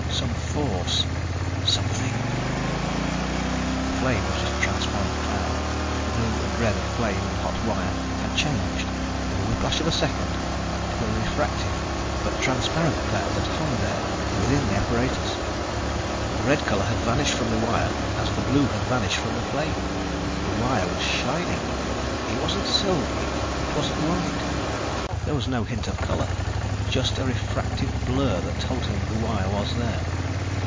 Some force, something ... The flame was a transparent cloud. The blue and red of flame and hot wire had changed, in the whiplash of a second, to a refractive but transparent cloud that hung there within the apparatus. The red color had vanished from the wire as the blue had vanished from the flame. The wire was shining. It wasn't silvery; it wasn't white. There was no hint of color, just a refractive blur that told him the wire was there.